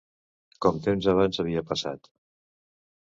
Com temps abans havia passat.